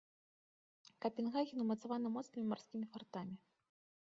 Капенгаген ўмацаваны моцнымі марскімі фартамі.